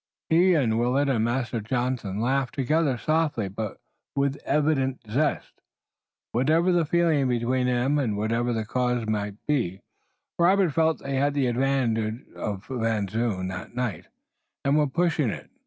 He and Willet and Master Jonathan laughed together, softly but with evident zest. Whatever the feeling between them and whatever the cause might be, Robert felt that they had the advantage of Mynheer Van Zoon that night and were pushing it.